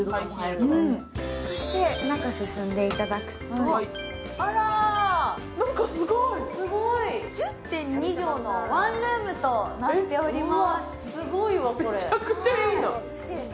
中に進んでいただくと、１０．２畳のワンルームとなっております。